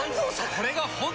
これが本当の。